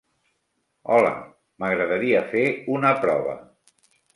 Hola, m'agradaria fer una prova.